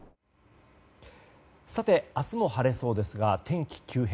さて明日も晴れそうですが天気急変。